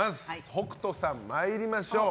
北斗さん、参りましょう。